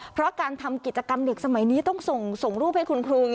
เพราะการทำกิจกรรมเด็กสมัยนี้ต้องส่งรูปให้คุณครู